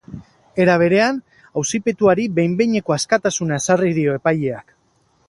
Era berean, auzipetuari behin-behineko askatasuna ezarri dio epaileak.